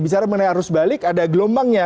bicara mengenai arus balik ada gelombangnya